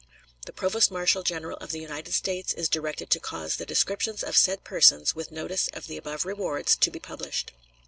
The provost marshal general of the United States is directed to cause the descriptions of said persons, with notice of the above rewards, to be published.